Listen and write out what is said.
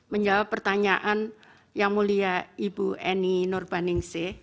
menjawab pertanyaan yang mulia ibu eni nurbaningsi